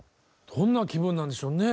どんな気分なんでしょうね？